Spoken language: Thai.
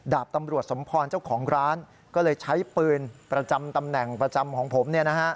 ดาบตำรวจสมพรเจ้าของร้านก็เลยใช้ปืนประจำตำแหน่งประจำของผม